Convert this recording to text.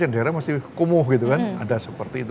yang daerah masih kumuh gitu kan ada seperti itu